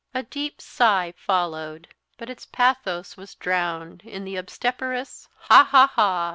A deep sigh followed; but its pathos was drowned in the obstreperous ha, ha, ha!